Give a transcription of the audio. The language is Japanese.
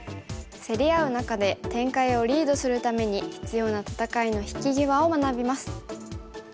競り合う中で展開をリードするために必要な戦いの引き際を学びます。